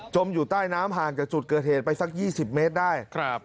อยู่ใต้น้ำห่างจากจุดเกิดเหตุไปสัก๒๐เมตรได้